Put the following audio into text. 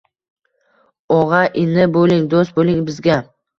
Og’a-ini bo’ling, do’st bo’ling bizga!